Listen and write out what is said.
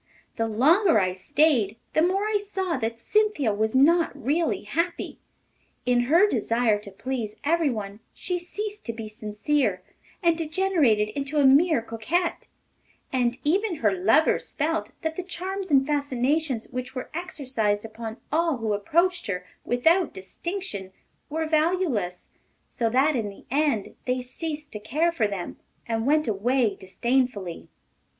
The longer I stayed the more I saw that Cynthia was not really happy. In her desire to please everyone she ceased to be sincere, and degenerated into a mere coquette; and even her lovers felt that the charms and fascinations which were exercised upon all who approached her without distinction were valueless, so that in the end they ceased to care for them, and went away disdainfully.